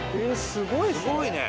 すごいね。